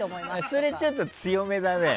それ、ちょっと強めだね。